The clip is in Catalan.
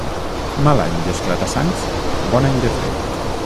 Mal any d'esclata-sangs, bon any de fred.